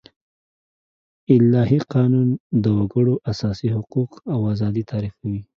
الهي قانون د وګړو اساسي حقوق او آزادي تعريفوي.